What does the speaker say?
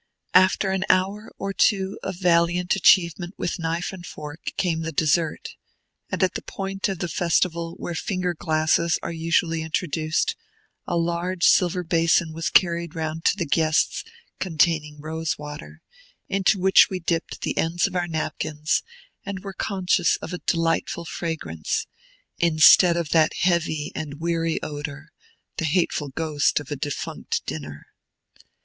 After an hour or two of valiant achievement with knife and fork came the dessert; and at the point of the festival where finger glasses are usually introduced, a large silver basin was carried round to the guests, containing rose water, into which we dipped the ends of our napkins and were conscious of a delightful fragrance, instead of that heavy and weary odor, the hateful ghost of a defunct dinner.